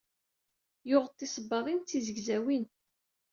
Yuɣ-d tisebbaḍin d tizgzawin